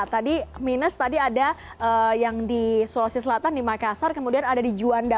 tadi minus tadi ada yang di sulawesi selatan di makassar kemudian ada di juanda